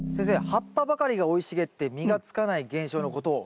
葉っぱばかりが生い茂って実がつかない現象のことを？